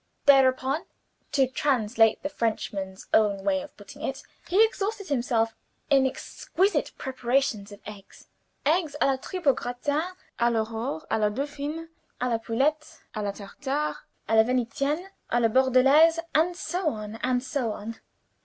Thereupon (to translate the Frenchman's own way of putting it) he exhausted himself in exquisite preparations of eggs. Eggs a la tripe, au gratin, a l'Aurore, a la Dauphine, a la Poulette, a la Tartare, a la Venitienne, a la Bordelaise, and so on, and so on.